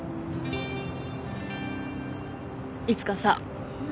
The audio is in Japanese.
いつかさ